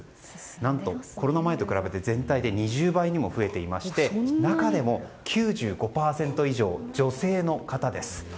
何と、コロナ前と比べて全体で２０倍にも増えていまして中でも９５％以上、女性の方です。